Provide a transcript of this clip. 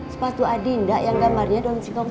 sepatu adinda yang gambarnya daun singkong